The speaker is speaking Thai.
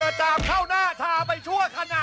จามเข้าหน้าทาไปชั่วขณะ